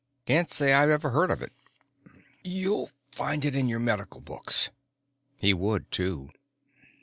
"Can't say I've ever heard of it." "You'll find it in your medical books." He would, too.